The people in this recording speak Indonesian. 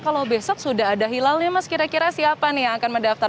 kalau besok sudah ada hilalnya mas kira kira siapa nih yang akan mendaftar